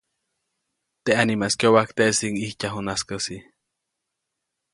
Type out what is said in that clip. Teʼ ʼanimaʼis kyobajk teʼsediʼuŋ ʼijtyaju najskäsi.